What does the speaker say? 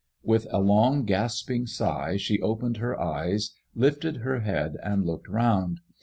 With a long gasping sigh she opened her eyes, lifted her head, and looked round.